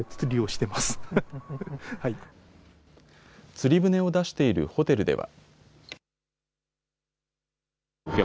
釣り船を出しているホテルでは。